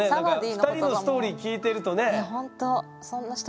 ２人のストーリー聞いてるとね。